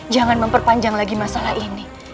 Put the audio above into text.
jangan memperpanjang lagi masalah ini